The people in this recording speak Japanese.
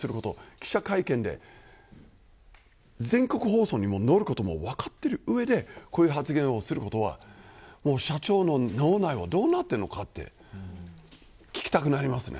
記者会見で全国放送になることも分かっている上でこういう発言をするというのは社長の脳内はどうなっているのかと聞きたくなります。